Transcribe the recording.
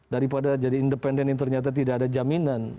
daripada jadi independen yang ternyata tidak ada jaminan